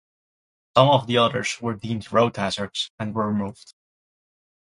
Some of the others were deemed road hazards and were removed.